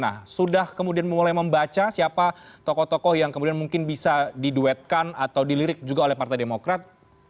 nah sudah kemudian mulai membaca siapa tokoh tokoh yang kemudian mungkin bisa diduetkan atau dilirik juga oleh partai demokrat